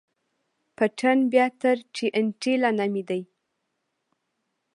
پټن بيا تر ټي ان ټي لا نامي دي.